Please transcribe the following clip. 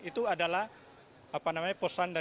itu adalah apa namanya